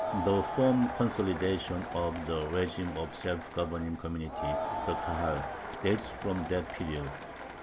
The firm consolidation of the régime of the self governing community, the Kahal, dates from that period.